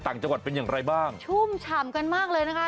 ต่างจังหวัดเป็นอย่างไรบ้างชุ่มฉ่ำกันมากเลยนะคะ